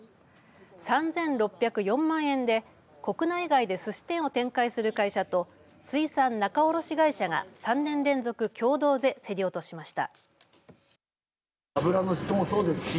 ３６０４万円で国内外ですし店を展開する会社と水産仲卸会社が３年連続共同で競り落としました。